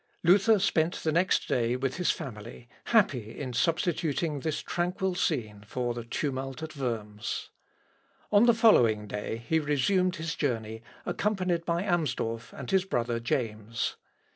Luther spent the next day with his family, happy in substituting this tranquil scene for the tumult at Worms. On the following day he resumed his journey, accompanied by Amsdorff and his brother James.